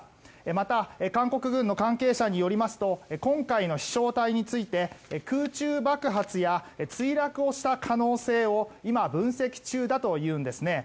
また韓国軍の関係者によりますと今回の飛翔体について空中爆発や墜落をした可能性を今、分析中だというんですね。